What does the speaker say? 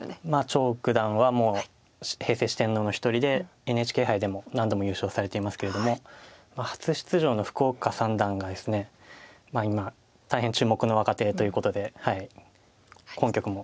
張栩九段はもう平成四天王の一人でＮＨＫ杯でも何度も優勝されていますけれども初出場の福岡三段がですね今大変注目の若手ということで今局も。